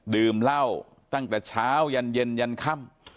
ดื่มเหล้าตั้งแต่เช้ายันเย็นยันค่ำ